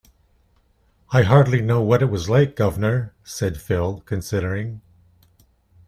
"I hardly know what it was like, guv'nor," said Phil, considering.